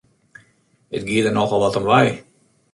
It gie der nochal wat om wei!